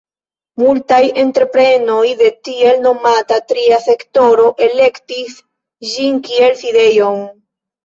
Multaj entreprenoj de la tiel nomata tria sektoro elektis ĝin kiel sidejon.